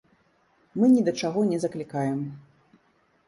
Мы ні да чаго не заклікаем.